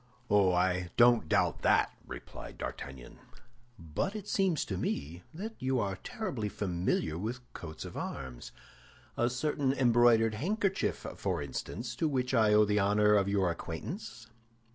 "Oh, I don't doubt that," replied D'Artagnan; "but it seems to me that you are tolerably familiar with coats of arms—a certain embroidered handkerchief, for instance, to which I owe the honor of your acquaintance?"